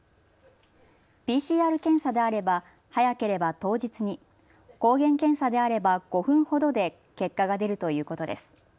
ＰＣＲ検査であれば早ければ当日に、抗原検査であれば５分ほどで結果が出るということです。